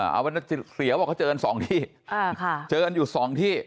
เอาว่าจะเสียวอก็เชิญสองที่เชิญอยู่สองที่